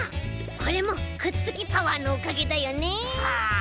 これもくっつきパワーのおかげだよね。